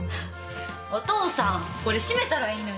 お父さんこれ締めたらいいのに。